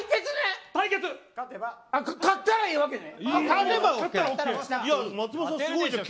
勝ったらいいわけね。